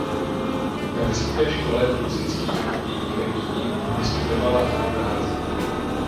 Na Vysoké škole múzických umění ve Vídni vystudovala hru na harfu.